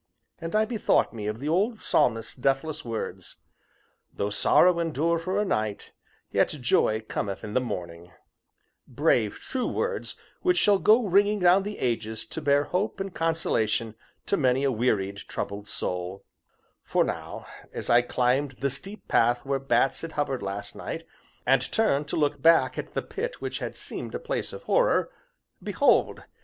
And I bethought me of the old Psalmist's deathless words: "Though sorrow endure for a night, yet joy cometh in the morning" (brave, true words which shall go ringing down the ages to bear hope and consolation to many a wearied, troubled soul); for now, as I climbed the steep path where bats had hovered last night, and turned to look back at the pit which had seemed a place of horror behold!